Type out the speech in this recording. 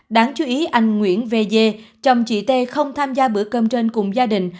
đáng chú ý anh nguyễn v dê chồng chị t không tham gia bữa cơm trên cùng gia đình